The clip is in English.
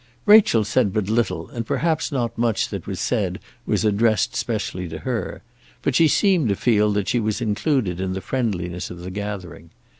Rachel said but little, and perhaps not much that was said was addressed specially to her, but she seemed to feel that she was included in the friendliness of the gathering.